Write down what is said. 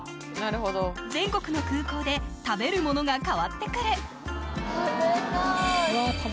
全国の空港で食べるものが変わってくる食べたい！